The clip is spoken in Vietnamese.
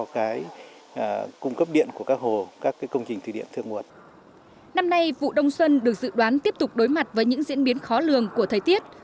vụ đông xuân năm nay vụ đông xuân được dự đoán tiếp tục đối mặt với những diễn biến khó lường của thời tiết